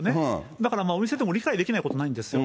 だからまあ、お店でも、理解できないことはないんですよ。